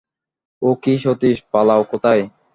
ও কী সতীশ, পালাও কোথায়।